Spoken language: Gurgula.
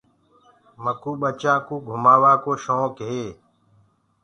مڪوُ ٻچآنٚ ڪوُ ڦرهآووآ ڪو شونڪ هي۔